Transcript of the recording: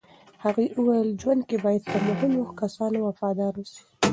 هغې وویل، ژوند کې باید په مهمو کسانو وفادار اوسې.